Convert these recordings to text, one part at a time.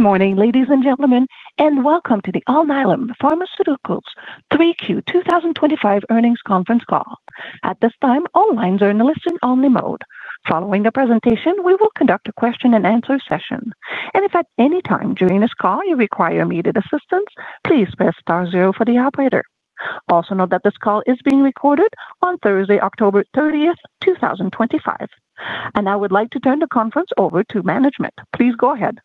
Good morning ladies and gentlemen and welcome to the Alnylam Pharmaceuticals 3Q 2025 earnings conference call. At this time, all lines are in listen-only mode. Following the presentation, we will conduct a question and answer session, and if at any time during this call you require immediate assistance, please press star zero for the operator. Also note that this call is being recorded on Thursday, October 30, 2025, and I would like to turn the conference over to management. Please go ahead.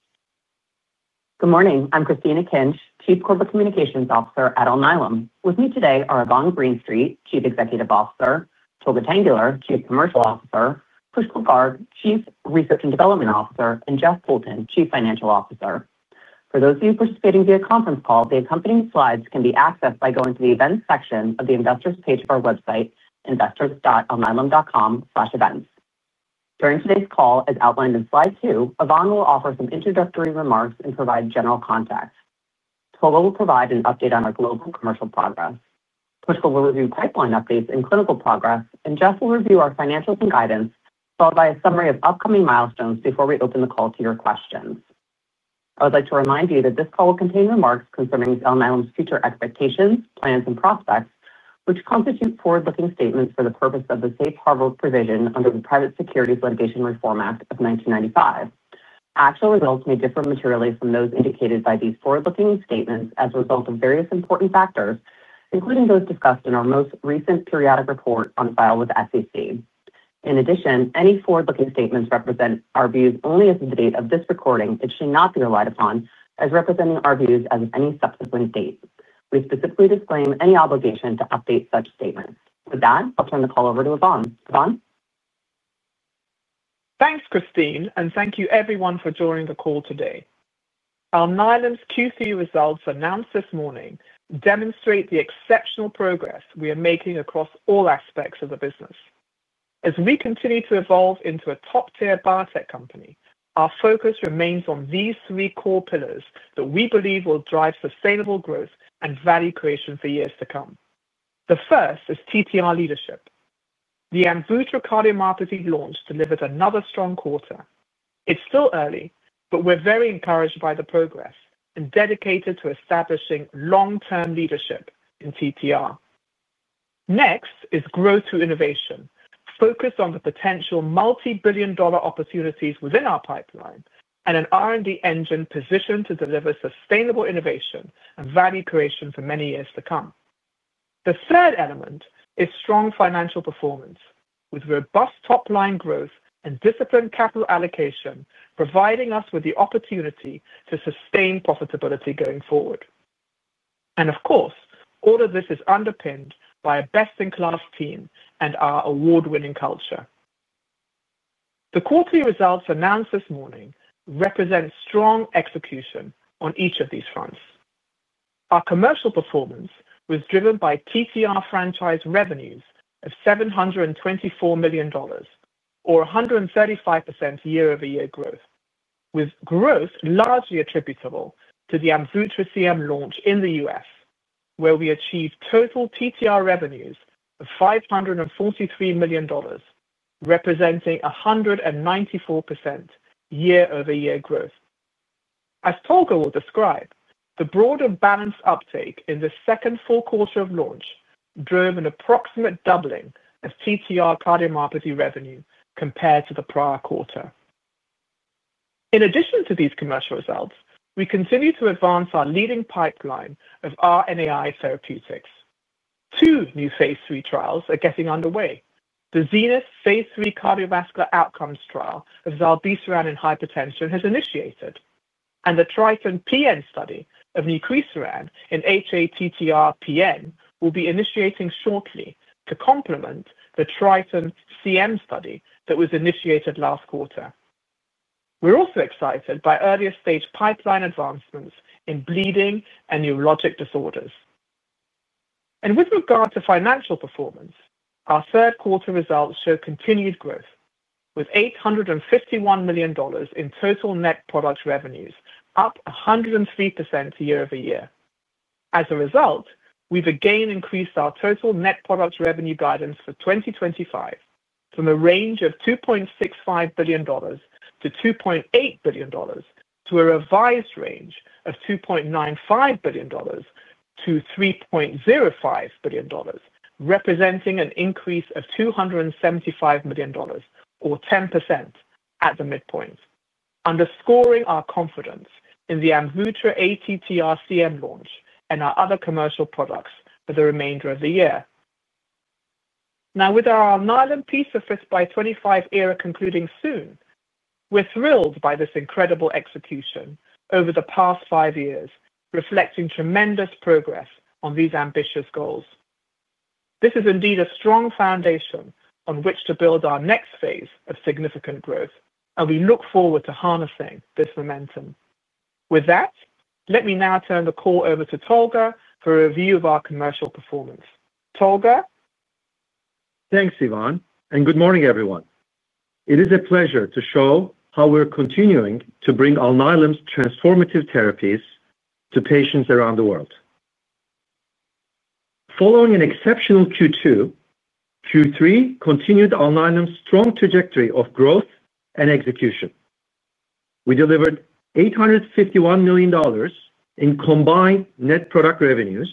Good morning. I'm Christine Akinc, Chief Corporate Communications Officer at Alnylam. With me today are Yvonne Greenstreet, Chief Executive Officer, Tolga Tanguler, Chief Commercial Officer, Pushkal Garg, Chief Research and Development Officer, and Jeff Poulton, Chief Financial Officer. For those of you participating via conference call, the accompanying slides can be accessed by going to the Events section of the Investors page of our website, investors.alnylam.com events. During today's call, as outlined in slide 2, Yvonne will offer some introductory remarks and provide general context. Tolga will provide an update on our global commercial progress. Pushkal will review pipeline updates and clinical progress, and Jeff will review our financials and guidance, followed by a summary of upcoming milestones. Before we open the call to your questions, I would like to remind you that this call will contain remarks concerning Alnylam's future expectations, plans, and prospects, which constitute forward-looking statements for the purpose of the safe harbor provision under the Private Securities Litigation Reform Act of 1995. Actual results may differ materially from those indicated by these forward-looking statements as a result of various important factors, including those discussed in our most recent periodic report on file with the SEC. In addition, any forward-looking statements represent our views only as of the date of this recording. They should not be relied upon as representing our views as of any subsequent date. We specifically disclaim any obligation to update such statements. With that, I'll turn the call over to Yvonne. Yvonne? Thanks Christine, and thank you everyone for joining the call today. Alnylam's Q3 results announced this morning demonstrate the exceptional progress we are making across all aspects of the business as we continue to evolve into a top-tier biotech company. Our focus remains on these three core pillars that we believe will drive sustainable growth and value creation for years to come. The first is TTR leadership. The AMVUTTRA® cardiomyopathy launch delivered another strong quarter. It's still early, but we're very encouraged by the progress and dedicated to establishing long-term leadership in TTR. Next is Growth through Innovation, focused on the potential multi-billion dollar opportunities within our pipeline and an R&D engine positioned to deliver sustainable innovation and value creation for many years to come. The third element is Strong Financial Performance, with robust top-line growth and disciplined capital allocation providing us with the opportunity to sustain profitability going forward. Of course, all of this is underpinned by a Best-in-Class Team and our Award-Winning Culture. The quarterly results announced this morning represent strong execution on each of these fronts. Our commercial performance was driven by TTR franchise revenues of $724 million, or 135% year-over-year growth, with growth largely attributable to the AMVUTTRA® ATTR CM launch in the U.S., where we achieved total TTR revenues of $543 million, representing 194% year-over-year growth. As Tolga will describe, the broad and balanced uptake in the second full quarter of launch drove an approximate doubling of TTR cardiomyopathy revenue compared to the prior quarter. In addition to these commercial results, we continue to advance our leading pipeline of RNAi therapeutics. Two new phase III trials are getting underway. The ZENITH phase III cardiovascular outcomes trial of zilebesiran in hypertension has initiated, and the TRITON-PN study of nucresiran in hATTR-PN will be initiating shortly to complement the TRITON-CM study that was initiated last quarter. We're also excited by earlier stage pipeline advancements in bleeding and neurologic disorders. With regard to financial performance, our third quarter results show continued growth with $851 million in total net product revenues, up 103% year-over-year. As a result, we've again increased our total net product revenue guidance for 2025 from a range of $2.65 billion-$2.8 billion to a revised range of $2.95 billion-$3.05 billion, representing an increase of $275 million or 10% at the midpoint, underscoring our confidence in the AMVUTTRA® ATTR-CM launch and our other commercial products for the remainder of the year. Now, with our Alnylam P⁵x25 era concluding soon, we're thrilled by this incredible execution over the past five years, reflecting tremendous progress on these ambitious goals. This is indeed a strong foundation on which to build our next phase of significant growth, and we look forward to harnessing this momentum. With that, let me now turn the call over to Tolga for a review of our commercial performance. Tolga? Thanks Yvonne, and good morning everyone. It is a pleasure to show how we're continuing to bring Alnylam transformative therapies to patients around the world. Following an exceptional Q2, Q3 continued Alnylam's strong trajectory of growth and execution. We delivered $851 million in combined net product revenues,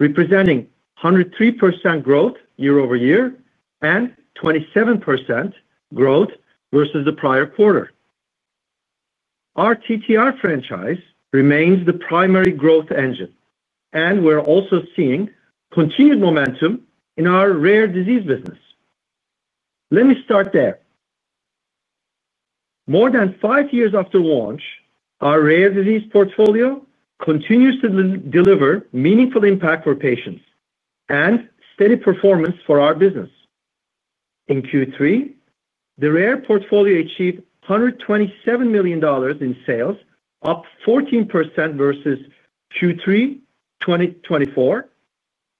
representing 103% growth year-over-year and 27% growth vs the prior quarter. Our TTR franchise remains the primary growth engine, and we're also seeing continued momentum in our rare disease business. Let me start there. More than five years after launch, our rare disease portfolio continues to deliver meaningful impact for patients and steady performance for our business. In Q3, the rare portfolio achieved $127 million in sales, up 14% vs Q3 2024,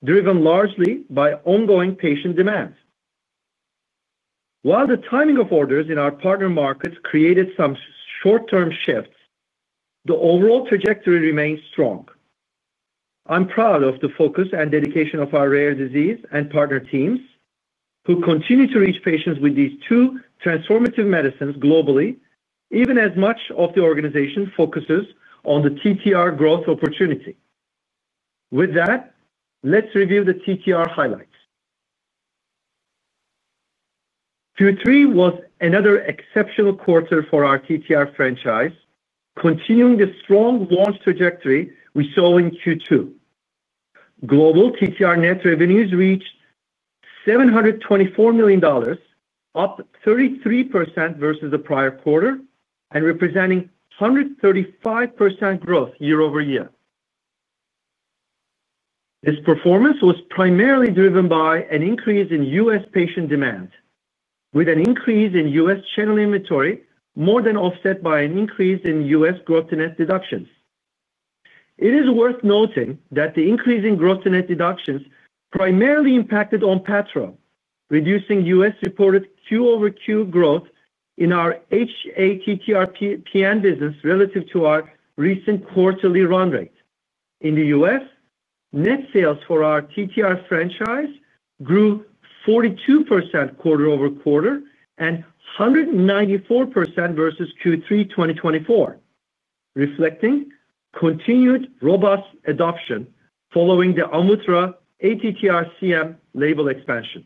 driven largely by ongoing patient demand. While the timing of orders in our partner markets created some short-term shifts, the overall trajectory remains strong. I'm proud of the focus and dedication of our rare disease and partner teams who continue to reach patients with these two transformative medicines globally, even as much of the organization focuses on the TTR growth opportunity. With that, let's review the TTR highlights. Q3 was another exceptional quarter for our TTR franchise, continuing the strong launch trajectory we saw in Q2. Global TTR net revenues reached $724 million, up 33% vs the prior quarter and representing 135% growth year-over-year. This performance was primarily driven by an increase in U.S. patient demand, with an increase in U.S. channel inventory more than offset by an increase in U.S. gross to net deductions. It is worth noting that the increasing gross to net deductions primarily impacted ONPATTRO®®, reducing U.S. reported Q-over-Q growth in our hATTR-PN business relative to our recent quarterly run rate. In the U.S., net sales for our TTR franchise grew 42% quarter-over-quarter and 194% vs Q3 2024, reflecting continued robust adoption following the AMVUTTRA® ATTR-CM label expansion.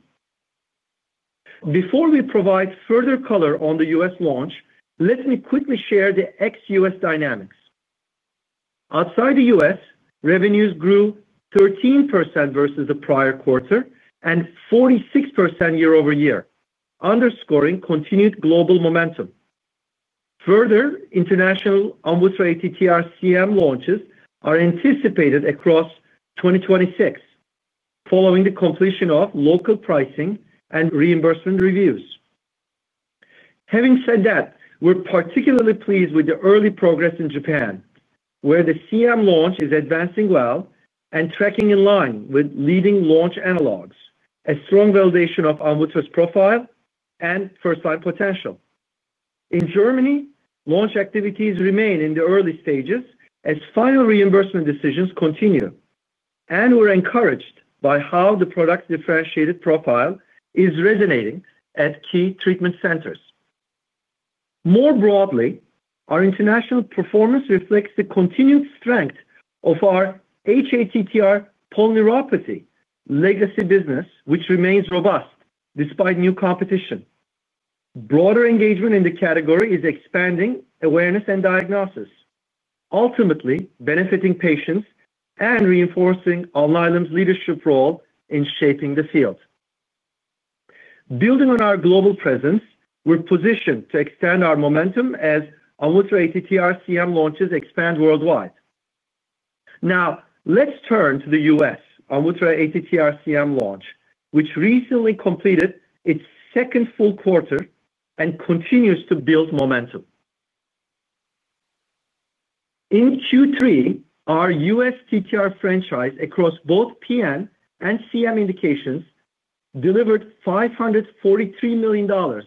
Before we provide further color on the U.S. launch, let me quickly share the ex-U.S. dynamics. Outside the U.S., revenues grew 13% vs the prior quarter and 46% year-over-year, underscoring continued global momentum. Further international AMVUTTRA® ATTR-CM launches are anticipated across 2026 following the completion of local pricing and reimbursement reviews. Having said that, we're particularly pleased with the early progress in Japan where the CM launch is advancing well and tracking in line with leading launch analogs. A strong validation of AMVUTTRA®'s profile and first line potential. In Germany, launch activities remain in the early stages as final reimbursement decisions continue and we're encouraged by how the product differentiated profile is resonating at key treatment centers. More broadly, our international performance reflects the continued strength of our hereditary ATTR polyneuropathy legacy business which remains robust despite new competition. Broader engagement in the category is expanding awareness and diagnosis, ultimately benefiting patients and reinforcing Alnylam leadership role in shaping the field. Building on our global presence, we're positioned to extend our momentum as AMVUTTRA® ATTR-CM launches expand worldwide. Now let's turn to the U.S. AMVUTTRA® ATTR-CM launch, which recently completed its second full quarter and continues to build momentum in Q3. Our U.S. TTR franchise across both PN and CM indications delivered $543 million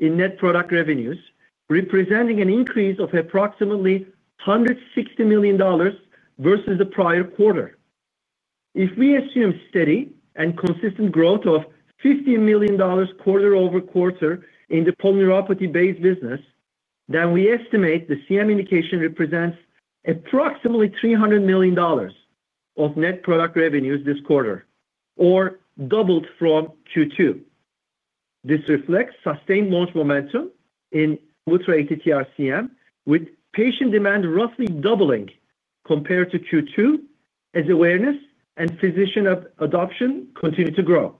in net product revenues, representing an increase of approximately $160 million vs the prior quarter. If we assume steady and consistent growth of $50 million quarter-over-quarter in the polyneuropathy-based business, then we estimate the CM indication represents approximately $300 million of net product revenues this quarter, or doubled from Q2. This reflects sustained launch momentum in AMVUTTRA® ATTR-CM with patient demand roughly doubling compared to Q2 as awareness and physician adoption continue to grow.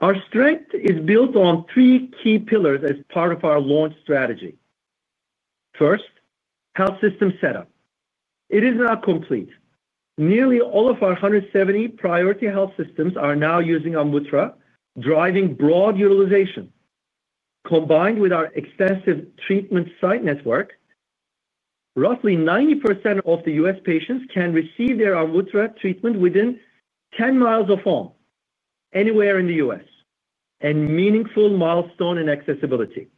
Our strength is built on three key pillars as part of our launch strategy. First, Health System Setup is now complete. Nearly all of our 170 priority Health Systems are now using AMVUTTRA®, driving broad utilization. Combined with our extensive treatment site network, roughly 90% of U.S. patients can receive their AMVUTTRA® treatment within 10 mi of home anywhere in the U.S., a meaningful milestone in accessibility.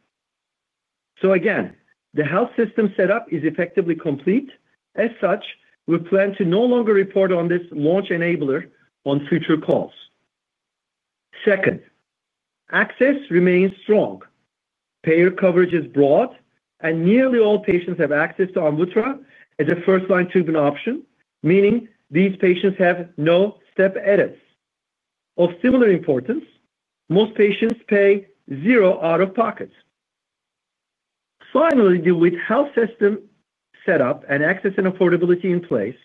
The Health System Setup is effectively complete. As such, we plan to no longer report on this launch enabler on future calls. Second, Access remains strong, payer coverage is broad and nearly all patients have access to AMVUTTRA® as a first line treatment option, meaning these patients have no step edits. Of similar importance, most patients pay zero out of pocket. Finally, with Health System Setup and Access and Affordability in place,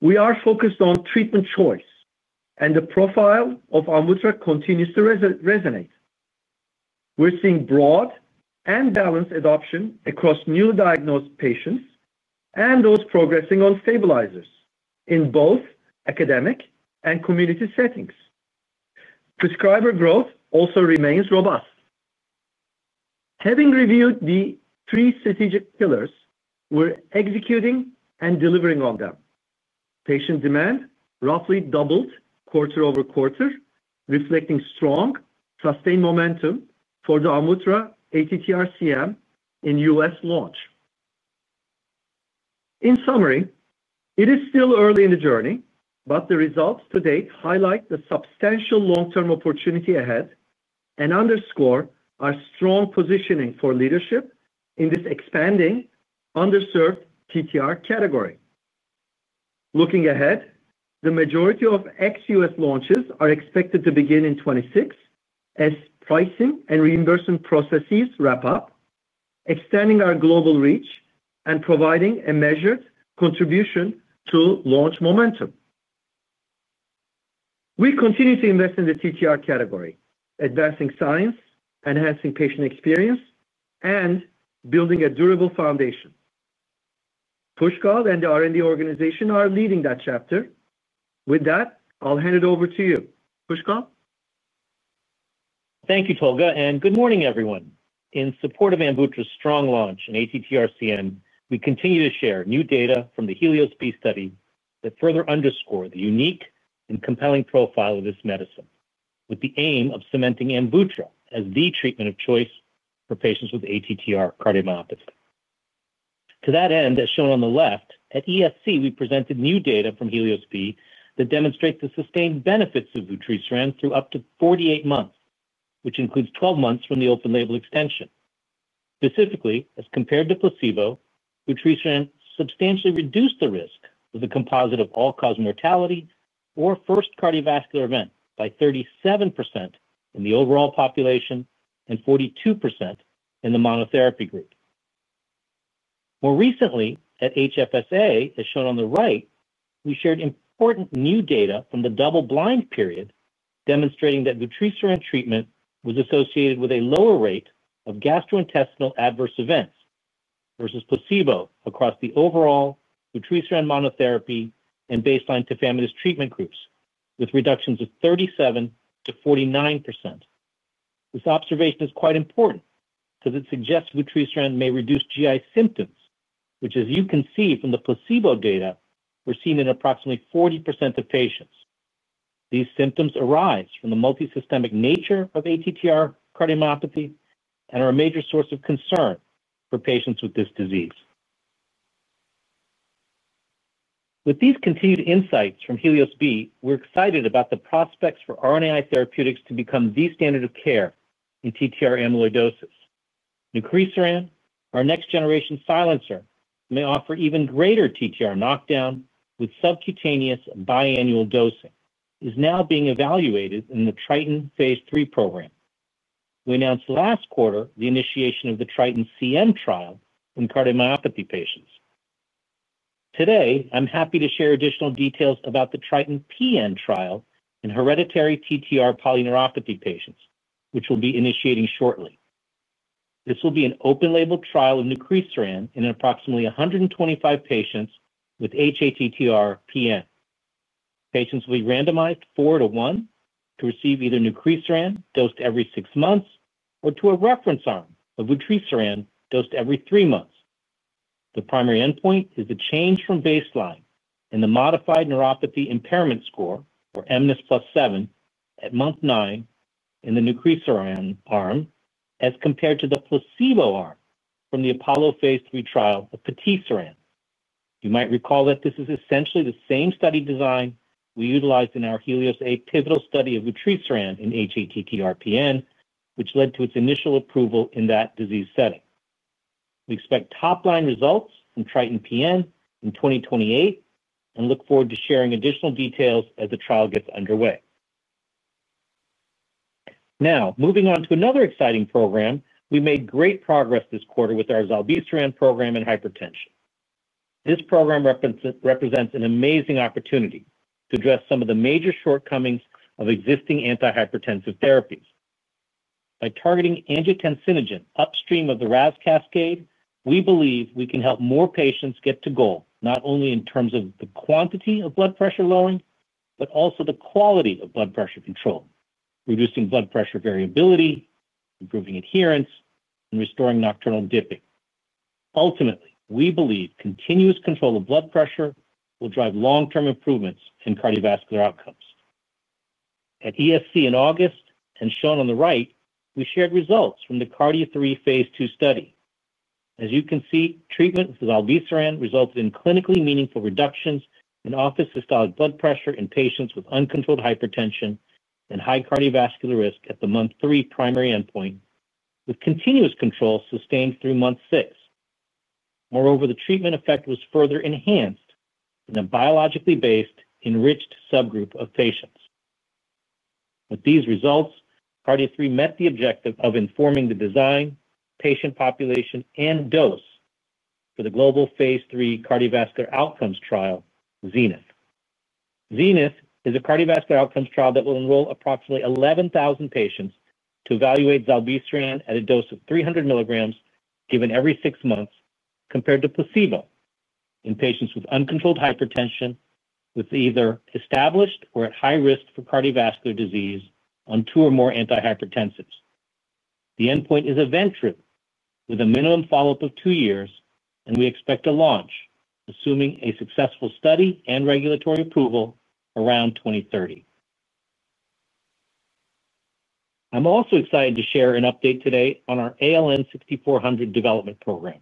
we are focused on Treatment Choice and the profile of AMVUTTRA® continues to resonate. We're seeing broad and balanced adoption across new diagnosed patients and those progressing on stabilizers in both academic and community settings. Prescriber growth also remains robust. Having reviewed the three strategic pillars, we're executing and delivering on them. Patient demand roughly doubled quarter-over-quarter, reflecting strong sustained momentum for the AMVUTTRA® ATTR-CM in U.S. launch. In summary, it is still early in the journey, but the results to date highlight the substantial long term opportunity ahead and underscore our strong positioning for leadership in this expanding underserved TTR category. Looking ahead, the majority of ex-U.S. launches are expected to begin in 2026 as pricing and reimbursement processes wrap up, extending our global reach and providing a measured contribution to launch momentum. We continue to invest in the TTR category, advancing science, enhancing patient experience, and building a durable foundation. Pushkal and the R&D organization are leading that chapter. With that, I'll hand it over to you, Pushkal? Thank you, Tolga, and good morning, everyone. In support of AMVUTTRA® strong launch in ATTR-CM, we continue to share new data from the HELIOS-B study that further underscore the unique and compelling profile of this medicine with the aim of cementing AMVUTTRA® as the treatment of choice for patients with ATTR cardiomyopathy. To that end, as shown on the left at ESC, we presented new data from HELIOS-B that demonstrate the sustained benefits of vutrisiran through up to 48 months, which includes 12 months from the open-label extension. Specifically, as compared to placebo, vutrisiran substantially reduced the risk of the composite of all-cause mortality or first cardiovascular event by 37% in the overall population and 42% in the monotherapy group. More recently at HFSA, as shown on the right, we shared important new data from the double-blind period demonstrating that vutrisiran treatment was associated with a lower rate of gastrointestinal adverse events vs placebo across the overall vutrisiran, monotherapy, and baseline tafamidis treatment groups with reductions of 37%-49%. This observation is quite important because it suggests vutrisiran may reduce GI symptoms which, as you can see from the placebo data, were seen in approximately 40% of patients. These symptoms arise from the multisystemic nature of ATTR cardiomyopathy and are a major source of concern for patients with this disease. With these continued insights from HELIOS-B, we're excited about the prospects for RNAi therapeutics to become the standard of care in TTR amyloidosis. Nucresiran, our next-generation silencer, may offer even greater TTR knockdown with subcutaneous biannual dosing, and is now being evaluated in the TRITON phase III program. We announced last quarter the initiation of the TRITON-CM trial in cardiomyopathy patients. Today, I'm happy to share additional details about the TRITON-PN trial in hereditary ATTR polyneuropathy patients, which we'll be initiating shortly. This will be an open-label trial of nucresiran in approximately 125 patients with hATTR-PN. Patients will be randomized 4 to 1 to receive either nucresiran dosed every 6 months or to a reference arm of vutrisiran dosed every three months. The primary endpoint is the change from baseline in the Modified Neuropathy Impairment Score, or mNIS+7, at month 9 in the nucresiran arm as compared to the placebo arm from the APOLLO phase III trial of patisiran. You might recall that this is essentially the same study design we utilized in our HELIOS-B pivotal study of vutrisiran in hereditary ATTR polyneuropathy, which led to its initial approval in that disease setting. We expect top line results from TRITON PN in 2028 and look forward to sharing additional details as the trial gets underway. Now moving on to another exciting program. We made great progress this quarter with our zilebesiran program in hypertension. This program represents an amazing opportunity to address some of the major shortcomings of existing antihypertensive therapies. By targeting angiotensinogen upstream of the RAS cascade, we believe we can help more patients get to goal not only in terms of the quantity of blood pressure lowering, but also the quality of blood pressure control, reducing blood pressure variability, improving adherence, and restoring nocturnal dipping. Ultimately, we believe continuous control of blood pressure will drive long term improvements in cardiovascular outcomes. At ESC in August and shown on the right, we shared results from the CARDIA-3 phase II study. As you can see, treatment with zilebesiran resulted in clinically meaningful reductions in office systolic blood pressure in patients with uncontrolled hypertension and high cardiovascular risk at the Month 3 primary endpoint with continuous control sustained through Month 6. Moreover, the treatment effect was further enhanced in a biologically based enriched subgroup of patients. With these results, CARDIA-3 met the objective of informing the design, patient population, and dose for the Global phase III Cardiovascular Outcomes Trial. ZENITH is a cardiovascular outcomes trial that will enroll approximately 11,000 patients to evaluate zilebesiran at a dose of 300 mg given every six months compared to placebo in patients with uncontrolled hypertension with either established or at high risk for cardiovascular disease on two or more antihypertensives. The endpoint is event-driven with a minimum follow up of two years and we expect to launch, assuming a successful study and regulatory approval, around 2030. I'm also excited to share an update today on our ALN-6400 development program.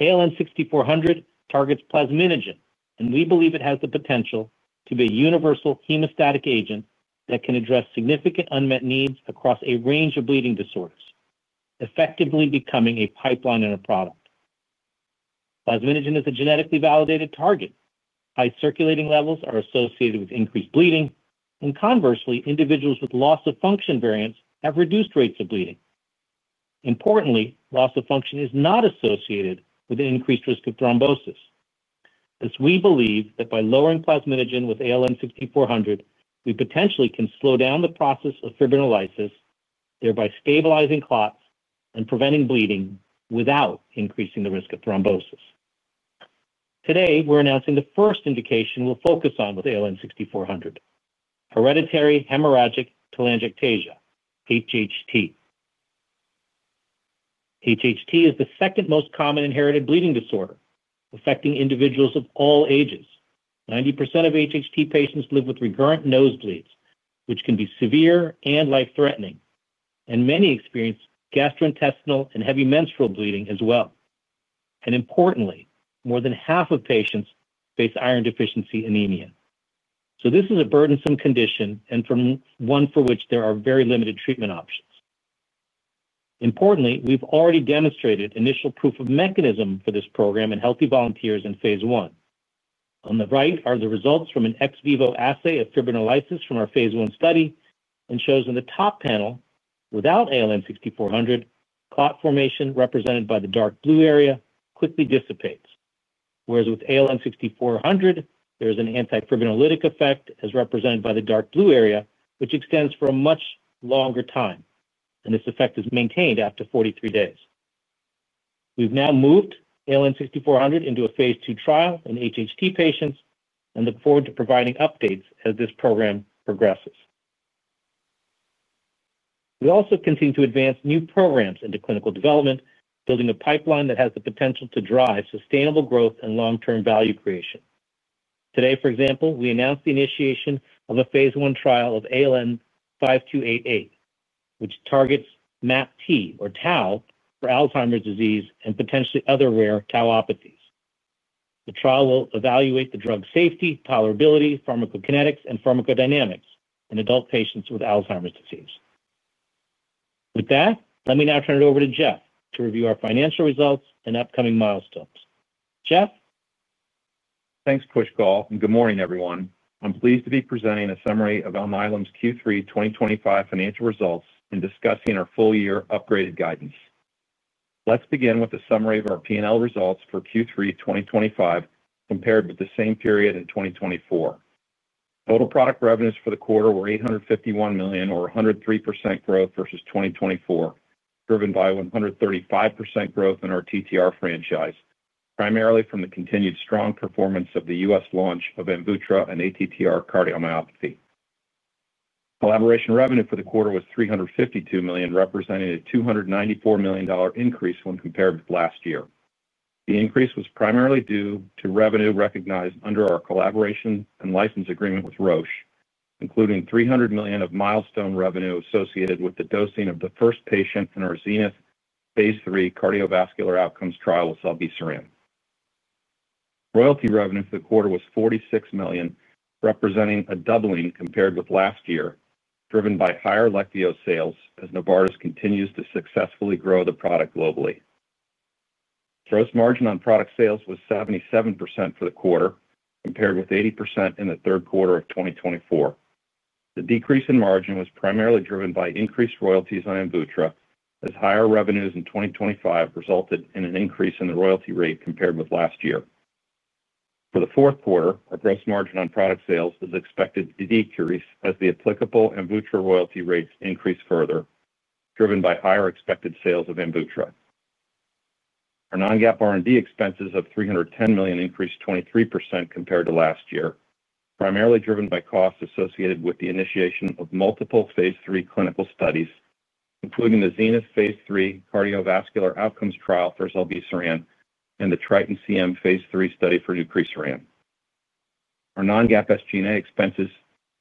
ALN-6400 targets plasminogen and we believe it has the potential to be a universal hemostatic agent that can address significant unmet needs across a range of bleeding disorders, effectively becoming a pipeline in a product. Plasminogen is a genetically validated target. High circulating levels are associated with increased bleeding, and conversely, individuals with loss of function variants have reduced rates of bleeding. Importantly, loss of function is not associated with an increased risk of thrombosis, as we believe that by lowering plasminogen with ALN-6400, we potentially can slow down the process of fibrinolysis, thereby stabilizing clots and preventing bleeding without increasing the risk of thrombosis. Today we're announcing the first indication we'll focus on with ALN-6400: Hereditary Hemorrhagic Telangiectasia. HHT is the second most common inherited bleeding disorder, affecting individuals of all ages. 90% of HHT patients live with recurrent nosebleeds, which can be severe and life-threatening, and many experience gastrointestinal and heavy menstrual bleeding as well. Importantly, more than half of patients face iron deficiency anemia, so this is a burdensome condition and one for which there are very limited treatment options. Importantly, we've already demonstrated initial proof of mechanism for this program in healthy volunteers in phase I. On the right are the results from an ex vivo assay of fibrinolysis from our phase I study, and it shows in the top panel, without ALN-6400, clot formation represented by the dark blue area quickly dissipates, whereas with ALN-6400, there is an antifibrinolytic effect as represented by the dark blue area, which extends for a much longer time, and this effect is maintained after 43 days. We've now moved ALN-6400 into a phase II trial in HHT patients and look forward to providing updates as this program progresses. We also continue to advance new programs into clinical development, building a pipeline that has the potential to drive sustainable growth and long-term value creation. Today, for example, we announced the initiation of a phase trial of ALN-5288, which targets MAPT or Tau for Alzheimer's disease and potentially other rare tauopathies. The trial will evaluate the drug's safety, tolerability, pharmacokinetics, and pharmacodynamics in adult patients with Alzheimer's disease. With that, let me now turn it over to Jeff to review our financial results and upcoming milestones. Jeff? Thanks Pushkal, and good morning everyone. I'm pleased to be presenting a summary of Alnylam's Q3 2025 financial results and discussing our full year upgraded guidance. Let's begin with a summary of our P&L results for Q3 2025 compared with the same period in 2024. Total product revenues for the quarter were $851 million, or 103% growth versus 2024, driven by 135% growth in our TTR franchise, primarily from the continued strong performance of the U.S. launch of AMVUTTRA® and ATTR cardiomyopathy collaboration. Revenue for the quarter was $352 million, representing a $294 million increase when compared with last year. The increase was primarily due to revenue recognized under our collaboration and license agreement with Roche, including $300 million of milestone revenue associated with the dosing of the first patient in our ZENITH phase III Cardiovascular Outcomes trial with zilebesiran. Royalty revenue for the quarter was $46 million, representing a doubling compared with last year, driven by higher Leqvio® sales as Novartis continues to successfully grow the product globally. Gross margin on product sales was 77% for the quarter compared with 80% in the third quarter of 2024. The decrease in margin was primarily driven by increased royalties on AMVUTTRA®, as higher revenues in 2025 resulted in an increase in the royalty rate compared with last year. For the fourth quarter, our gross margin on product sales is expected to decrease as the applicable in vitro royalty rates increase further, driven by higher expected sales of AMVUTTRA®. Our non-GAAP R&D expenses of $310 million increased 23% compared to last year, primarily driven by costs associated with the initiation of multiple phase III clinical studies, including the ZENITH phase III Cardiovascular Outcomes trial for zilebesiran and the TRITON-PN phase III study for nucresiran. Our non-GAAP SG&A expenses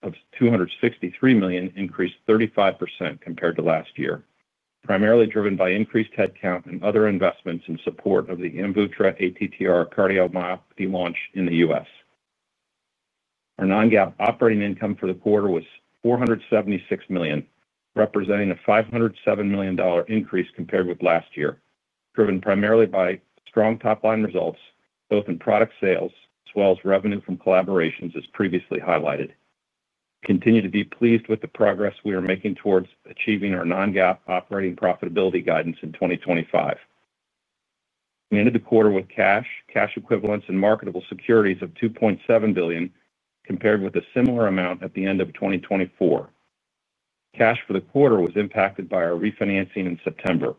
of $263 million increased 35% compared to last year, primarily driven by increased headcount and other investments in support of the AMVUTTRA® ATTR cardiomyopathy launch in the U.S. Our non-GAAP operating income for the quarter was $476 million, representing a $507 million increase compared with last year, driven primarily by strong top line results both in product sales as well as revenue from collaborations. As previously highlighted, we continue to be pleased with the progress we are making towards achieving our non-GAAP operating profitability guidance in 2025. We ended the quarter with cash, cash equivalents, and marketable securities of $2.7 billion compared with a similar amount at the end of 2024. Cash for the quarter was impacted by our refinancing. In September,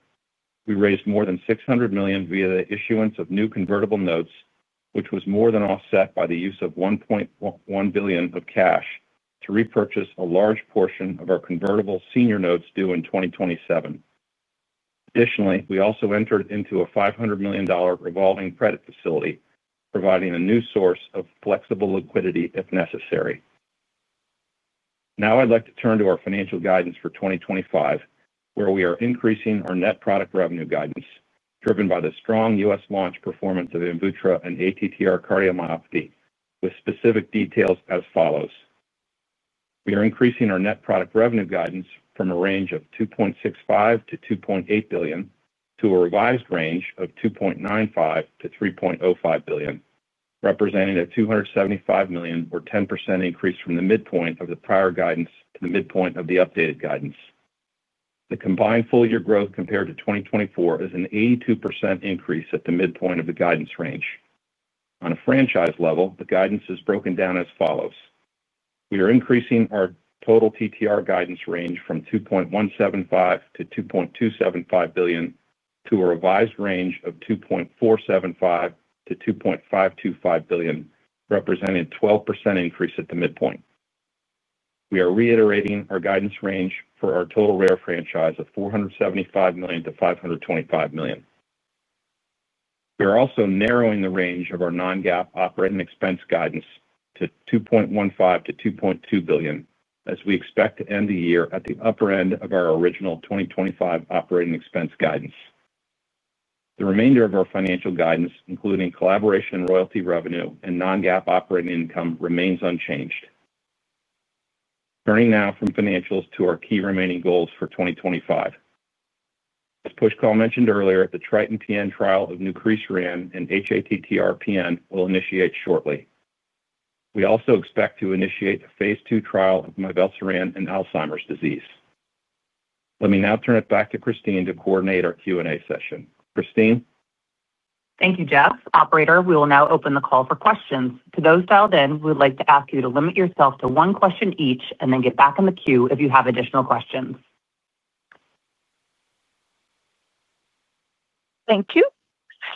we raised more than $600 million via the issuance of new convertible notes, which was more than offset by the use of $1.1 billion of cash to repurchase a large portion of our convertible senior notes due in 2027. Additionally, we also entered into a $500 million revolving credit facility, providing a new source of flexible liquidity if necessary. Now I'd like to turn to our financial guidance for 2025 where we are increasing our net product revenue guidance driven by the strong U.S. launch performance of AMVUTTRA® and ATTR cardiomyopathy with specific details as follows. We are increasing our net product revenue guidance from a range of $2.65 billion-$2.8 billion to a revised range of $2.95 billion-$3.05 billion, representing a $275 million or 10% increase from the midpoint of the prior guidance to the midpoint of the updated guidance. The combined full year growth compared to 2024 is an 82% increase at the midpoint of the guidance range. On a franchise level, the guidance is broken down as follows. We are increasing our total TTR guidance range from $2.175 billion-$2.275 billion to a revised range of $2.475 billion-$2.525 billion, representing a 12% increase at the midpoint. We are reiterating our guidance range for our total Rare franchise of $475 million-$525 million. We are also narrowing the range of our non-GAAP operating expense guidance to $2.15 billion-$2.2 billion as we expect to end the year at the upper end of our original 2025 operating expense guidance. The remainder of our financial guidance including collaboration, royalty, revenue, and non-GAAP operating income remains unchanged. Turning now from financials to our key remaining goals for 2025. As Pushkal mentioned earlier, the TRITON-PN trial of nucresiran in hATTR-PN will initiate shortly. We also expect to initiate a phase II trial of mivelsiran in Alzheimer's disease. Let me now turn it back to Christine to coordinate our Q&A session. Christine? Thank you. Jeff, Operator, we will now open the call for questions. Thank you. To those dialed in, we'd like to ask you to limit yourself to one question each and then get back in the queue if you have additional questions. Thank you,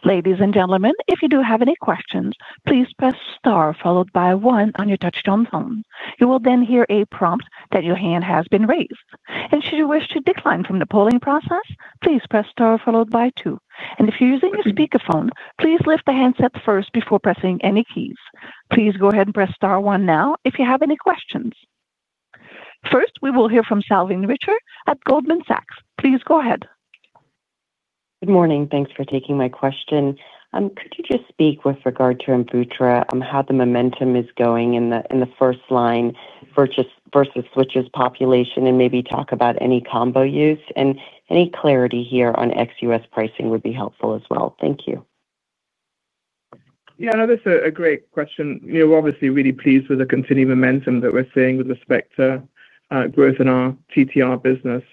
ladies and gentlemen. If you do have any questions, please press star followed by one on your touchtone phone. You will then hear a prompt that your hand has been raised. Should you wish to decline from the polling process, please press star followed by two. If you're using a speakerphone, please lift the handset first before pressing any keys. Please go ahead and press star one now if you have any questions. First, we will hear from Salveen Richter at Goldman Sachs. Please go ahead. Good morning. Thanks for taking my question. Could you just speak with regard to AMVUTTRA®, how the momentum is going in the first line vs switch population, and maybe talk about any combo use and any clarity here on ex-U.S. pricing would be helpful as well. Thank you. Yeah, that's a great question. You know, we're obviously really pleased with the continued momentum that we're seeing with respect to growth in our TTR business,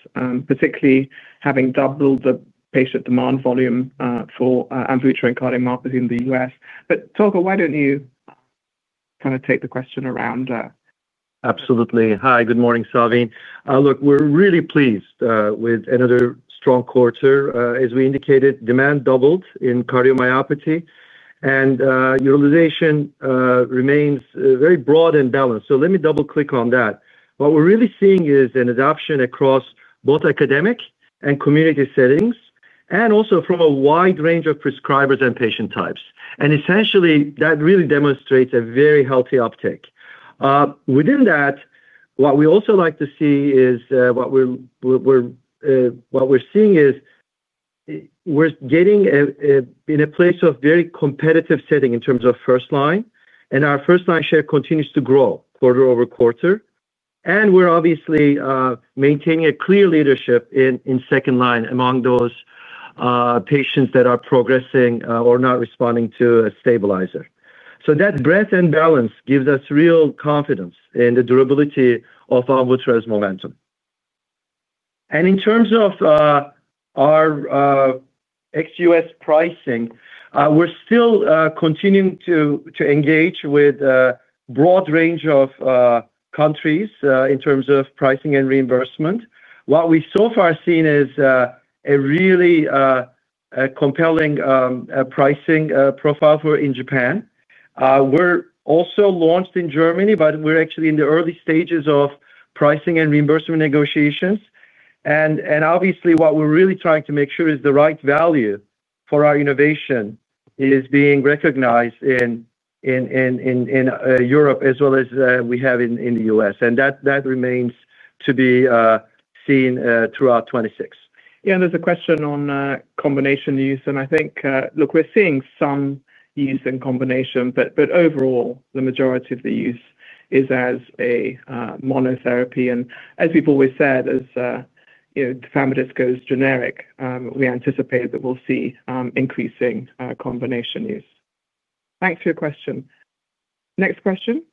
particularly having doubled the patient demand volume for AMVUTTRA® and cardiomyopathy in the U.S. but Tolga, why don't you kind of take the question around? Absolutely. Hi, good morning, Salveen. Look, we're really pleased with another strong quarter. As we indicated, demand doubled in cardiomyopathy and utilization remains very broad and balanced. Let me double click on that. What we're really seeing is an adoption across both academic and community settings and also from a wide range of prescribers and patient types. Essentially, that really demonstrates a very healthy uptake within that. What we also like to see is, we're getting in a place of very competitive setting in terms of first line and our first line share continues to grow quarter over quarter. We're obviously maintaining a clear leadership in second line among those patients that are progressing or not responding to a stabilizer. That breadth and balance gives us real confidence in the durability of AMVUTTRA®'s momentum. In terms of our ex-U.S. pricing, we're still continuing to engage with a broad range of countries in terms of pricing and reimbursement. What we have so far seen is a really compelling pricing profile in Japan. We're also launched in Germany, but we're actually in the early stages of pricing and reimbursement negotiations. Obviously, what we're really trying to make sure is the right value for our innovation is being recognized in Europe as well as we have in the U.S., and that remains to be seen throughout 2026. There's a question on combination use, and I think, look, we're seeing some use in combination, but overall the majority of the use is as a monotherapy. As we've always said, as goes generic, we anticipate that we'll see increasing combination use. Thanks for your question. Next question.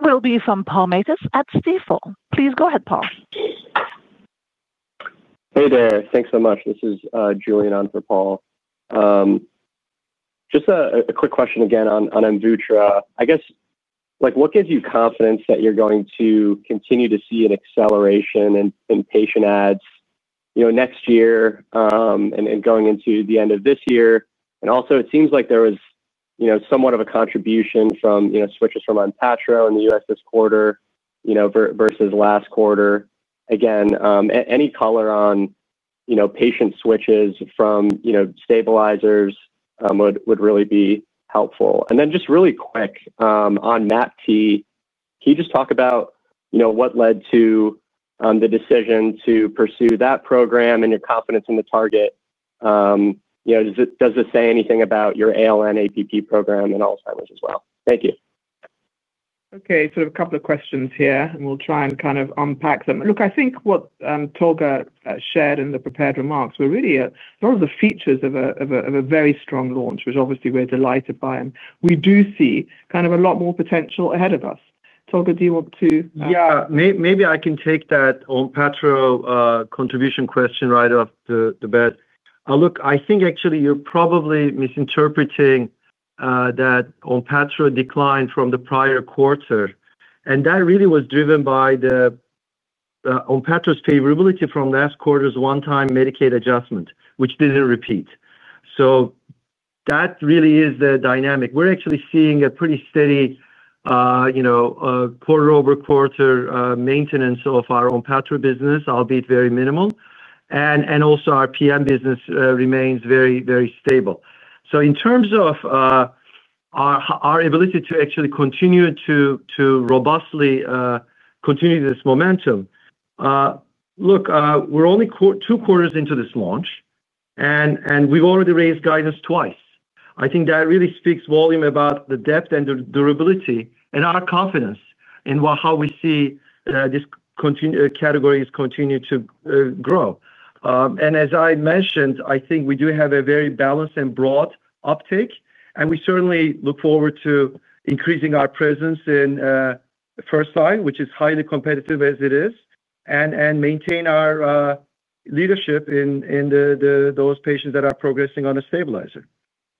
We'll be from Paul Matteis at Stifel. Please go ahead, Paul. Hey there. Thanks so much. This is Julian on for Paul. Just a quick question again on AMVUTTRA®. I guess like what gives you confidence that you're going to continue to see an acceleration in patient adds next year and going into the end of this year. It seems like there was you know, somewhat of a contribution from switches from ONPATTRO® in the U.S. this quarter vs last quarter. Again, any color on patient switches from stabilizers would really be helpful. Just really quick on MAPT. Can you talk about what led to the decision to pursue that program and your confidence in the target? Does it say anything about your ALN-APP program and Alzheimer's as well? Thank you. Okay, sort of a couple of questions here and we'll try and kind of unpack them. I think what Tolga shared in the prepared remarks were really one of the features of a very strong launch. Which obviously we're delighted. We do see kind of a lot more potential ahead of us. Tolga, do you want to? Yeah, maybe I can take that ONPATTRO® contribution question right off the bat. Look, I think actually you're probably misinterpreting that ONPATTRO® declined from the prior quarter and that really was driven by the ONPATTRO®'s favorability from last quarter's one-time Medicaid adjustment, which didn't repeat. That really is the dynamic. We're actually seeing a pretty steady, you know, quarter-over-quarter maintenance of our ONPATTRO® business, albeit very minimal. Also, our PM business remains very, very stable. In terms of our ability to actually continue to robustly continue this momentum, we're only two quarters into this launch and we've already raised guidance twice. I think that really speaks volumes about the depth and durability and our confidence in how we see this category as continuing to grow. As I mentioned, I think we do have a very balanced and broad uptake and we certainly look forward to increasing our presence in first line, which is highly competitive as it is, and maintain our leadership in those patients that are progressing on a stabilizer.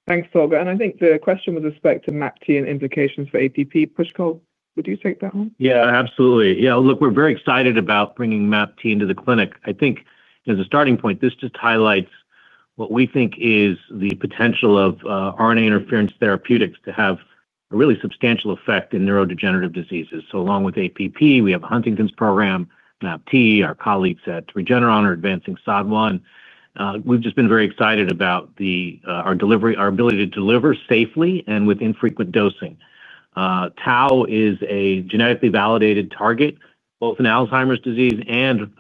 Thanks, Tolga. I think the question with respect to MAPT and implications for APP, Pushkal, would you take that one? Yeah, absolutely. Yeah. Look, we're very excited about bringing MAPT into the clinic. I think as a starting point, this just highlights what we think is the potential of RNAi therapeutics to have a really substantial effect in neurodegenerative diseases. Along with APP, we have Huntington's program Nap T. Our colleagues at Regeneron are advancing SAG1. We've just been very excited about our ability to deliver safely and with infrequent dosing. Tau is a genetically validated target both in Alzheimer's disease and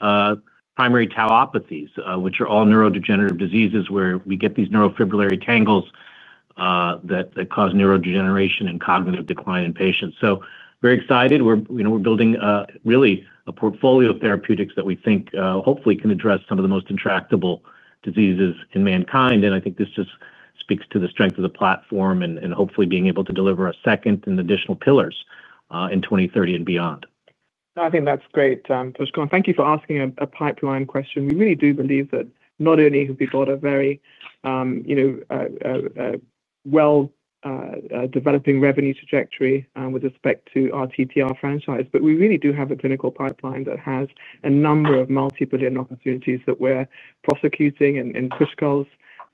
primary tauopathies, which are all neurodegenerative diseases where we get these neurofibrillary tangles that cause neurodegeneration and cognitive decline in patients. We're building really a portfolio of therapeutics that we think hopefully can address some of the most intractable diseases in mankind. I think this just speaks to the strength of the platform and hopefully being able to deliver a second and additional pillars in 2030 and beyond. I think that's great. Thank you for asking a pipeline question. We really do believe that not only have we got a very well developing revenue trajectory with respect to our TTR franchise, but we really do have a clinical pipeline that has a number of multi-billion opportunities that we're prosecuting in Pushkal's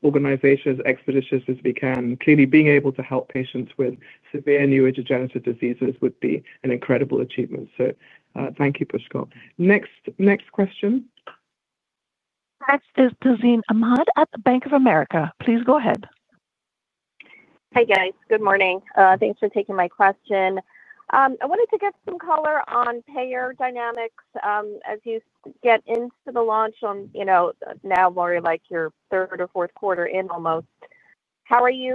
organization, as expeditious as we can. Clearly, being able to help patients with severe neurodegenerative diseases would be an incredible achievement. Thank you, Pushkal. Next question. Next is Tazeen Ahmad at Bank of America. Please go ahead. Hi, guys. Good morning. Thanks for taking my question. I wanted to get some color on payer dynamics as you get into the launch on, you know, now, like your third or fourth quarter in almost. How are you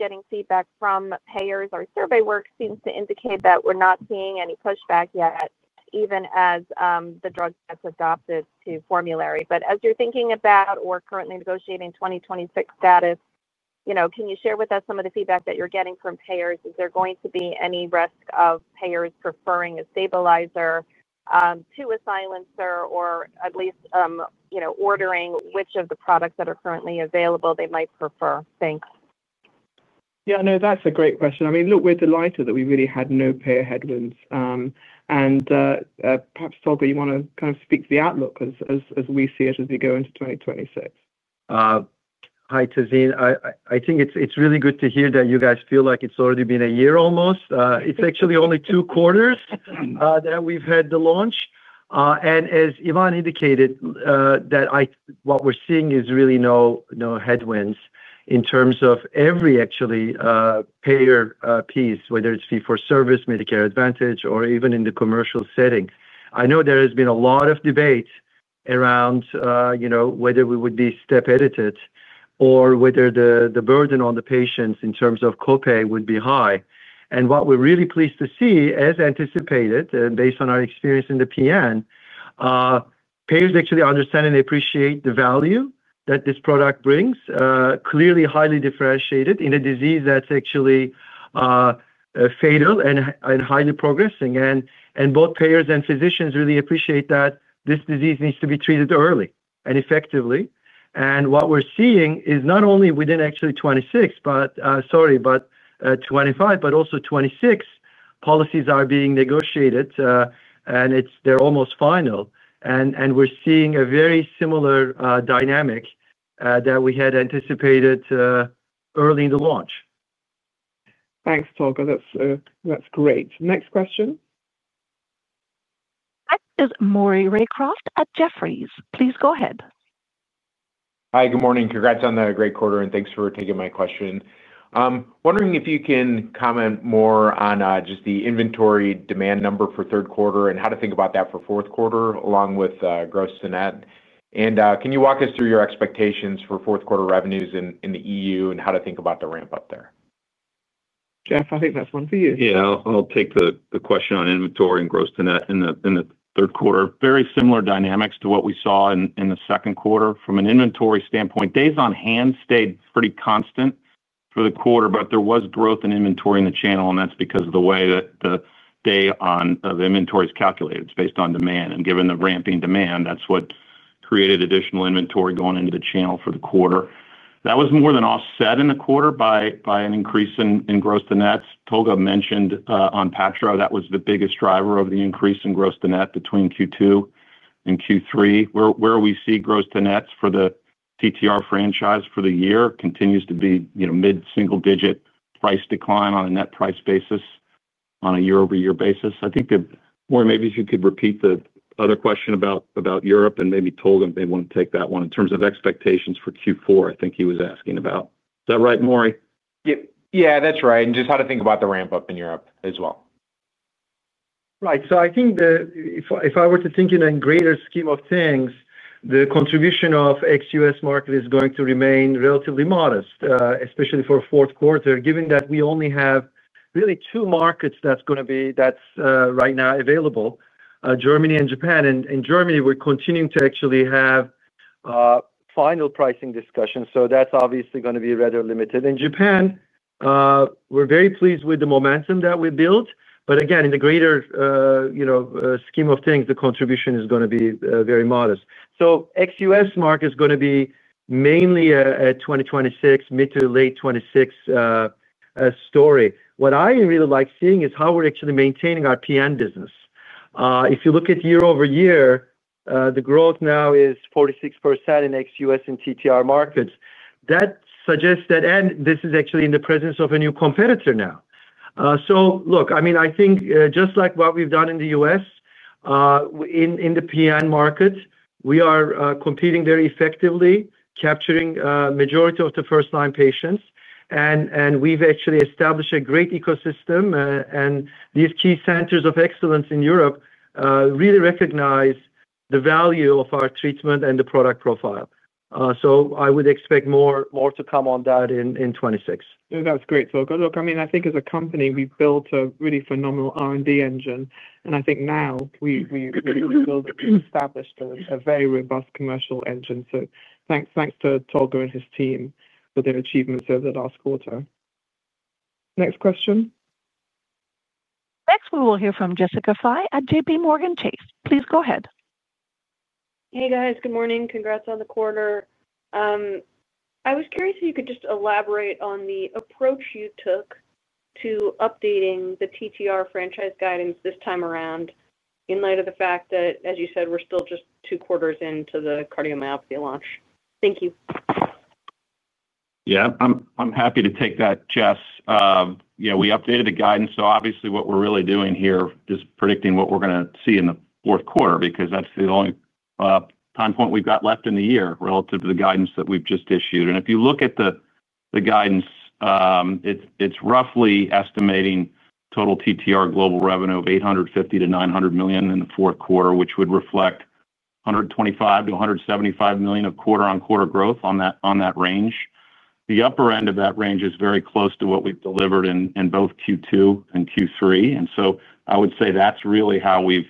getting feedback from payers? Our survey work seems to indicate that we're not seeing any pushback yet, even as the drug gets adopted to formulary. As you're thinking about or currently negotiating 2026 status, can you share with us some of the feedback that you're getting from payers? Is there going to be any risk of payers preferring a stabilizer to a silencer or at least, you know, ordering which of the products that are currently available they might prefer? Thanks. Yeah, no, that's a great question. I mean, look, we're delighted that we really had no payer headwinds, and perhaps Tolga, you want to kind of speak to the outlook as we see it as we go into 2026. Hi, Tazeen. I think it's really good to hear that you guys feel like it's already been a year almost. It's actually only two quarters that we've had the launch and as Yvonne indicated, what we're seeing is really no headwinds in terms of every actual payer piece, whether it's fee for service, Medicare Advantage, or even in the commercial setting. I know there has been a lot of debate around whether we would be step edited or whether the burden on the patients in terms of co-pay would be high. What we're really pleased to see, as anticipated based on our experience in the PN, payers actually understand and appreciate the value that this product brings. Clearly, highly differentiated in a disease that's actually fatal and highly progressing. Both payers and physicians really appreciate that this disease needs to be treated early and effectively. What we're seeing is not only within actually 2025 but also 2026 policies are being negotiated and they're almost final, and we're seeing a very similar dynamic that we had anticipated early in the launch. Thanks Tolga, that's great. Next question. That is Maury Raycroft at Jefferies. Please go ahead. Hi, good morning. Congrats on the great quarter and thanks for taking my question. Wondering if you can comment more on just the inventory demand number for third quarter and how to think about that for fourth quarter along with gross to net. Can you walk us through your expectations for fourth quarter revenues in the EU and how to think about the ramp up there? Jeff, I think that's one for you. Yeah, I'll take the question on inventory and gross to net in the third quarter. Very similar dynamics to what we saw in the second quarter from an inventory standpoint. Days on hand stayed pretty constant for the quarter, but there was growth in inventory in the channel, and that's because of the way that the days on hand of inventory is calculated based on demand. Given the ramping demand, that's what created additional inventory going into the channel for the quarter. That was more than offset in the quarter by an increase in gross to nets. Tolga mentioned ONPATTRO®; that was the biggest driver of the increase in gross to net between Q2 and Q3, where we see gross to nets for the TTR franchise for the year continues to be, you know, mid-single-digit price decline on a net price basis on a year-over-year basis. I think maybe if you could repeat the other question about Europe, and maybe Tolga may want to take that one in terms of expectations for Q4. I think he was asking about that, right, Maury? Yeah, that's right. And just how to think about the ramp up in Europe as well. Right, I think if I were to think in a greater scheme of things, the contribution of ex-U.S. market is going to remain relatively modest, especially for the fourth quarter given that we only have really two markets that's right now available, Germany and Japan. In Germany, we're continuing to actually have final pricing discussions. That's obviously going to be rather limited. In Japan, we're very pleased with the momentum that we built. Again, in the greater scheme of things, the contribution is going to be very modest. Ex-U.S. market is going to be mainly a 2026, mid to late 2026 story. What I really like seeing is how we're actually maintaining our PN business. If you look at year over year, the growth now is 46% in ex-U.S. and TTR markets. That suggests that, and this is actually in the presence of a new competitor now. I think just like what we've done in the U.S. in the PN market, we are competing very effectively, capturing majority of the first line patients, and we've actually established a great ecosystem. These key centers of excellence in Europe really recognize the value of our treatment and the product profile. I would expect more to come in 2026. That's great, talker. Look, I mean, I think as a company we built a really phenomenal R&D engine, and I think now we established a very robust commercial engine. Thanks to Tolga and his team for their achievements over the last quarter. Next question. Next we will hear from Jessica Fye at JPMorgan Chase. Please go ahead. Hey guys, good morning. Congrats on the quarter. I was curious if you could just elaborate on the approach you took to updating the TTR franchise guidance this time around in light of the fact that as you said, we're still just two quarters into the cardiomyopathy launch. Thank you. Yeah, I'm happy to take that, Jess. You know we updated the guidance, so obviously what we're really doing here is predicting what we're going to see in the fourth quarter because that's the only time point we've got left in the year relative to the guidance that we've just issued. If you look at the guidance, it's roughly estimating total TTR Global revenue of $850 million-$900 million in the fourth quarter, which would reflect $125 million-$175 million of quarter-on-quarter growth on that range. The upper end of that range is very close to what we've delivered in both Q2 and Q3. I would say that's really how we've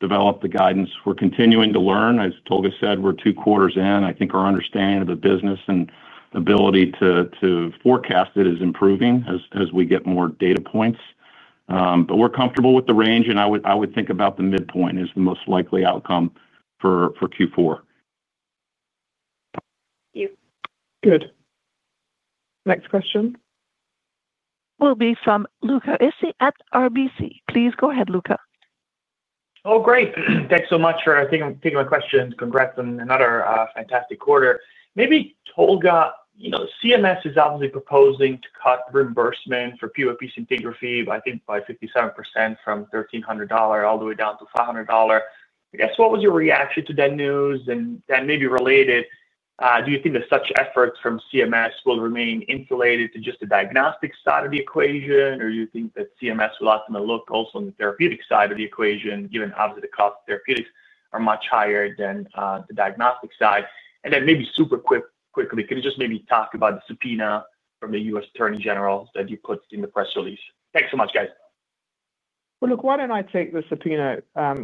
developed the guidance. We're continuing to learn. As Tolga said, we're two quarters in. I think our understanding of the business and ability to forecast it is improving as we get more data points. We're comfortable with the range and I would think about the midpoint as the most likely outcome for Q4. Thank you. Good. Next question? Will be from Luca Issi at RBC. Please go ahead, Luca. Oh, great. Thanks so much for taking my question. Congrats on another fantastic quarter, maybe Tolga. You know, CMS is obviously proposing to cut reimbursement for PYP scintigraphy, I think by 57% from $1,300 all the way down to $500, I guess. What was your reaction to that news, and maybe related, do you think that such efforts from CMS will remain insulated to just the diagnostic side of the equation, or do you think that CMS will ultimately look also on the therapeutic side of the equation, given obviously the cost of therapeutics are much higher than the diagnostic side? Maybe super quickly, can you just maybe talk about the subpoena from the U.S. Attorney General that you put in the press release. Thanks so much, guys. I will take the subpoena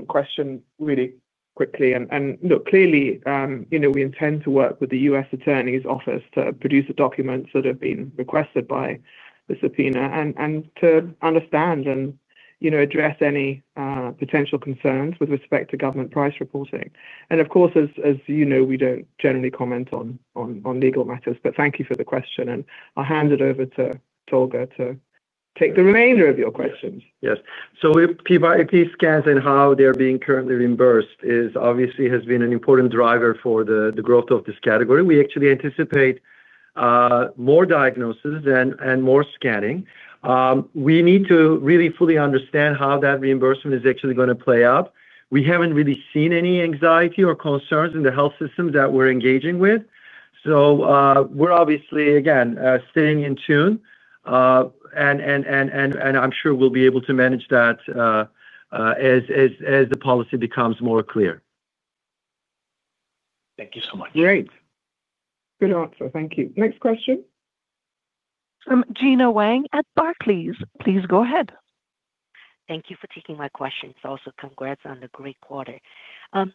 question really quickly. Clearly, we intend to work with the U.S. attorney's office to produce the documents that have been requested by the subpoena and to understand and address any potential concerns with respect to government price reporting. Of course, as you know, we don't generally comment on legal matters. Thank you for the question and I'll hand it over to Tolga to take the remainder of your questions. Yes. PYP scans and how they're being currently reimbursed is obviously an important driver for the growth of this category. We actually anticipate more diagnosis and more scanning. We need to really fully understand how that reimbursement is actually going to play out. We haven't really seen any anxiety or concerns in the health system that we're engaging with. We're obviously again staying in tune, and I'm sure we'll be able to manage that as the policy becomes more clear. Thank you so much. Great. Good answer. Thank you. Next question? From Gena Wang at Barclays. Please go ahead. Thank you for taking my questions. Also, congrats on the great quarter. I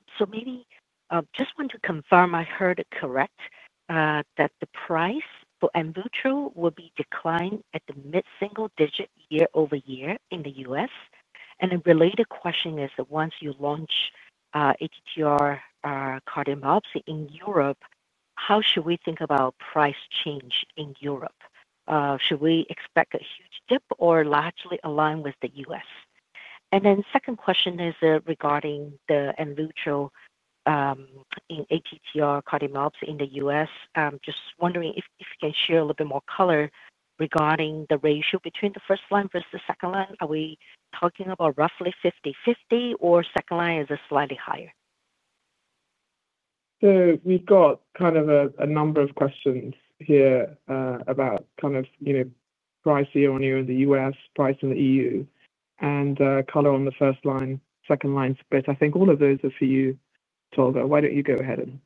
just want to confirm I heard it correct that the price for AMVUTTRA® will be declined at the mid-single-digit year-over-year in the U.S. A related question is that once you launch ATTR cardiomyopathy in Europe, how should we think about price change in Europe? Should we expect a huge dip or largely align with the U.S.? My second question is regarding the AMVUTTRA® in ATTR cardiomyopathy in the U.S. Just wondering if you can share a little bit more color regarding the ratio between the first line versus the second line. Are we talking about roughly 50/50 or second line? Is it slightly higher? We have a number of questions here about price year on year in the U.S., price in the EU, and color on the first line, second line split. I think all of those are for you, Tolga. Why don't you go ahead?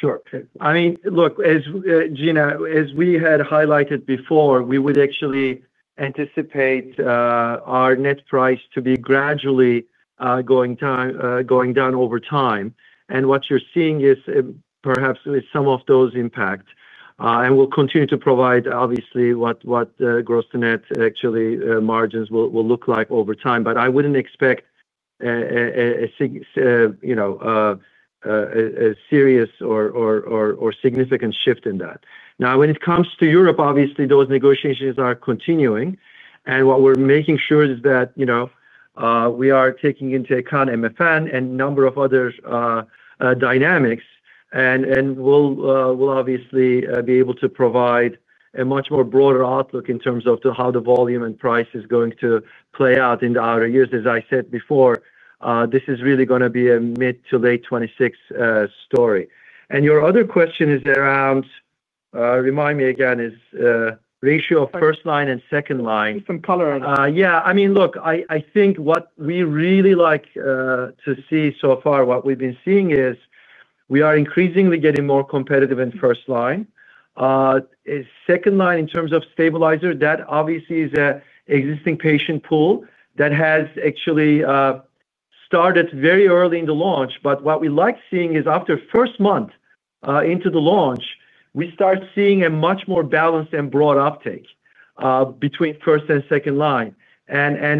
Sure. I mean look, Gena, as we had highlighted before, we would actually anticipate our net price to be gradually going down over time. What you're seeing is perhaps some of that impact, and we'll continue to provide obviously what gross to net margins will look like over time. I wouldn't expect a serious or significant shift in that. Now, when it comes to Europe, obviously those negotiations are continuing. What we're making sure is that we are taking into account MFN and a number of other dynamics, and will obviously be able to provide a much broader outlook in terms of how the volume and price is going to play out in the outer years. As I said before, this is really going to be a mid to late 2026 story. Your other question is around, remind me again, is ratio of first line and second line? Some color? Yeah, I mean look, I think what we really like to see so far, what we've been seeing is we are increasingly getting more competitive in first line, second line in terms of stabilizer. That obviously is an existing patient pool that has actually started very early in the launch. What we like seeing is after first month into the launch, we start seeing a much more balanced and broad uptake between first and second line.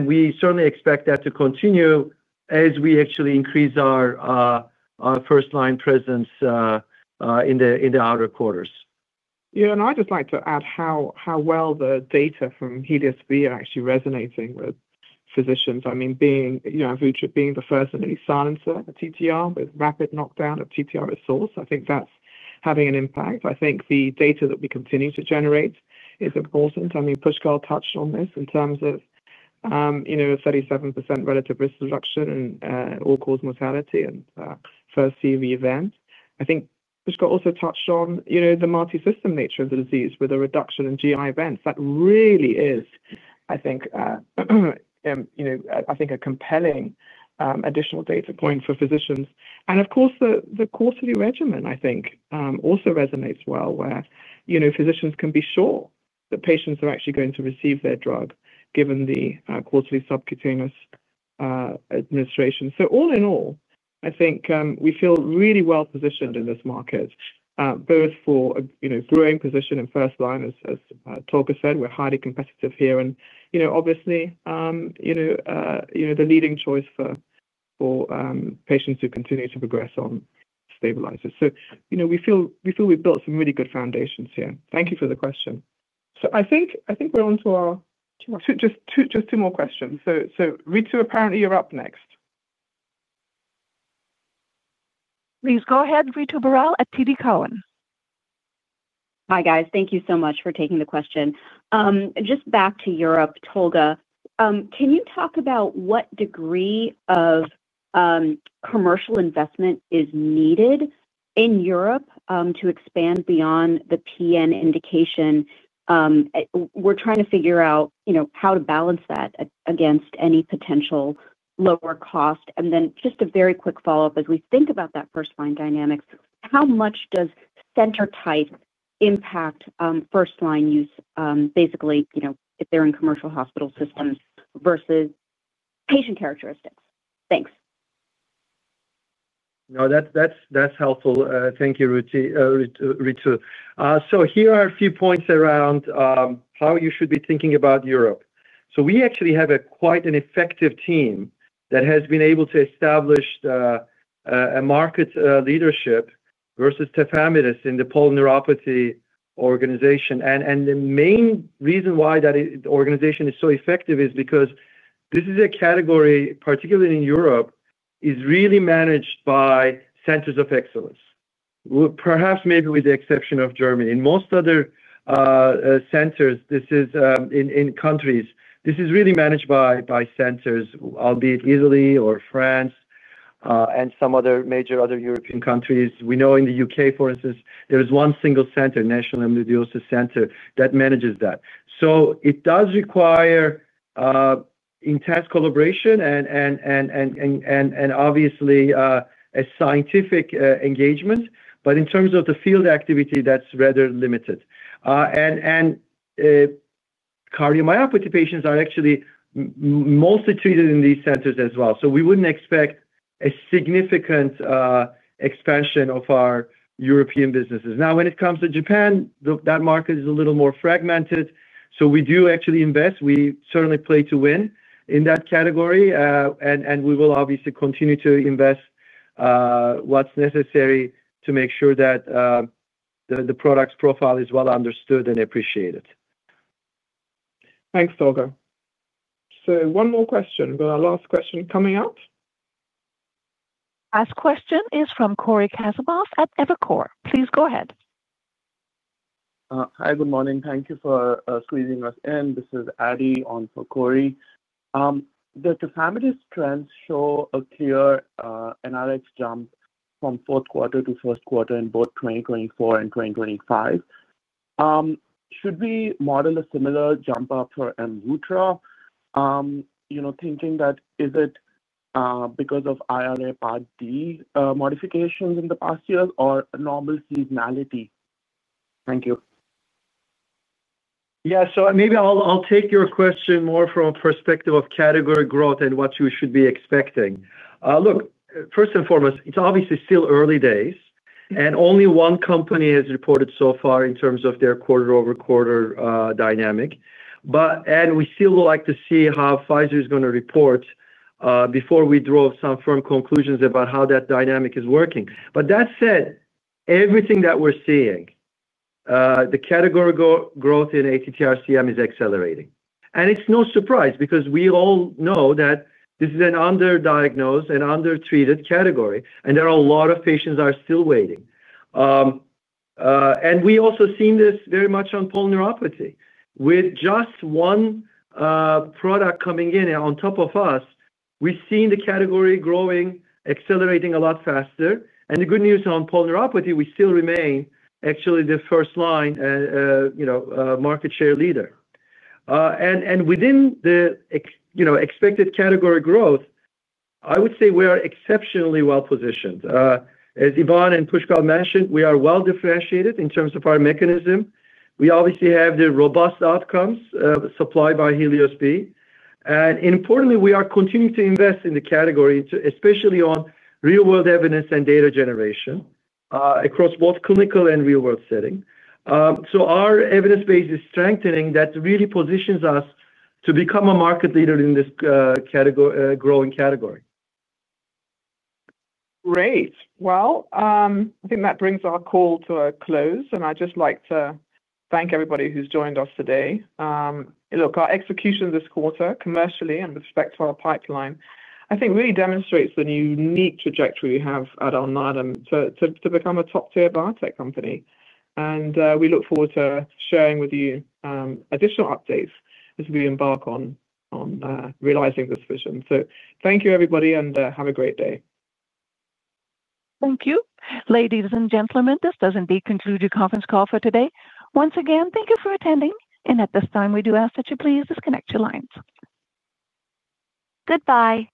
We certainly expect that to continue as we actually increase our first line presence in the outer quarters. Yeah, and I'd just like to add how well the data from HELIOS-B are actually resonating with physicians. I mean, being the first and only silencer at TTR with rapid knockdown of TTR resource, I think that's having an impact. The data that we continue to generate is important. Pushkal touched on this in terms of, you know, 37% relative risk reduction in all-cause mortality and first CV event. Pushkal also touched on the multi-system nature of the disease with a reduction in GI events. That really is, I think, a compelling additional data point for physicians. Of course, the course of your regimen also resonates well where physicians can be sure that patients are actually going to receive their drug given the quarterly subcutaneous administration. All in all, I think we feel really well positioned in this market both for a growing position in first line. As Tolga said, we're highly competitive here and obviously the leading choice for patients who continue to progress on stabilizers. We feel we've built some really good foundations here. Thank you for the question. I think we're on to just two more questions. Ritu, apparently you're up next. Please go ahead. Ritu Baral at TD Cowen. Hi guys, thank you so much for taking the question. Just back to Europe, Tolga, can you talk about what degree of commercial investment is needed in Europe to expand beyond the PN indication? We're trying to figure out, you know, how to balance that against any potential lower cost. Then just a very quick follow up as we think about that first line dynamics. How much does center type impact first line use? Basically, you know, if they're in commercial hospital systems vs patient characteristics. Thanks. No, that's helpful. Thank you, Ritu. Here are a few points around how you should be thinking about Europe. We actually have quite an effective team that has been able to establish a market leadership vs tafamidis in the polyneuropathy organization. The main reason why that organization is so effective is because this is a category, particularly in Europe, that is really managed by centers of excellence, perhaps maybe with the exception of Germany. In most other countries, this is really managed by centers, albeit Italy or France and some other major European countries. We know in the U.K., for instance, there is one single center, National Amyloidosis Center, that manages that. It does require intense collaboration and obviously a scientific engagement. In terms of the field activity, that's rather limited. Cardiomyopathy patients are actually mostly treated in these centers as well. We wouldn't expect a significant expansion of our European businesses. When it comes to Japan, that market is a little more fragmented. We do actually invest. We certainly play to win in that category and we will obviously continue to invest what's necessary to make sure that the product's profile is well understood and appreciated. Thanks Tolga. So one more question, but our last question coming up? Last question is from Corey Kazimoff at Evercore. Please go ahead. Hi, good morning. Thank you for squeezing us in. This is Adi on for Corey. The tafamidis trends show a clear NRX. Jump from fourth quarter to first quarter. In both 2024 and 2025. Should we model a similar jump up for AMVUTTRA®? You know, thinking that is it because of IRA Part D modifications in the past years or normal seasonality? Thank you. Yeah, maybe I'll take your question more from a perspective of category growth and what you should be expecting. Look, first and foremost, it's obviously still early days and only one company has reported so far in terms of their quarter over quarter dynamic. We still would like to see how Pfizer is going to report before we draw some firm conclusions about how that dynamic is working. That said, everything that we're seeing, the category growth in ATTR cardiomyopathy is accelerating. It's no surprise because we all know that this is an underdiagnosed and undertreated category and there are a lot of patients still waiting. We also see this very much on polyneuropathy. With just one product coming in on top of us, we've seen the category growing, accelerating a lot faster. The good news on polyneuropathy, we still remain actually the first line market share leader. Within the expected category growth, I would say we are exceptionally well positioned. As Yvonne and Pushkal mentioned, we are well differentiated in terms of our mechanism. We obviously have the robust outcomes supplied by HELIOS-B and importantly, we are continuing to invest in the category, especially on real world evidence and data generation across both clinical and real world setting. Our evidence base is strengthening. That really positions us to become a market leader in this growing category. Great. I think that brings our call to a close and I'd just like to thank everybody who's joined us today. Look, our execution this quarter commercially and respect for our pipeline I think really demonstrates the new neat trajectory we have at Alnylam to become a top tier biotech company. We look forward to sharing with you additional updates as we embark on realizing this vision. Thank you everybody and have a great day. Thank you. Ladies and gentlemen, this does indeed conclude your conference call for today. Once again, thank you for attending, and at this time we do ask that you please disconnect your lines. Goodbye.